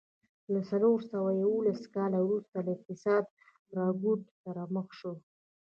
له څلور سوه یوولس کاله وروسته له اقتصادي رکود سره مخ شوه.